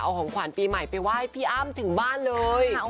เอาของขวัญปีใหม่ไปไหว้พี่อ้ำถึงบ้านเลย